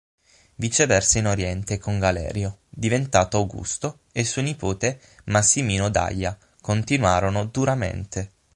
Viceversa in Oriente con Galerio, diventato Augusto, e suo nipote Massimino Daia, continuarono duramente.